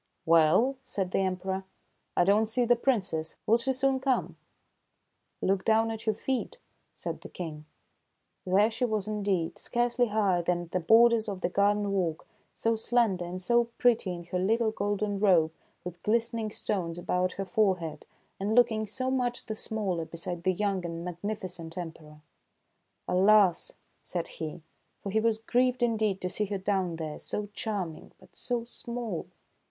"Well," said the Emperor, "I don't see the Princess. Will she soon come ?"" Look down at your feet," said the King. There she was indeed, scarcely higher than the borders of the garden walk, so slender and so pretty in her little golden robe with glistening stones about her forehead, and looking so much the smaller beside the young and magnificent Emperor. " Alas !" said he ; for he was grieved indeed to see her down there, so charming, but so small.